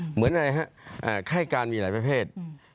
เหมือนในไข้การมีหลายประเภท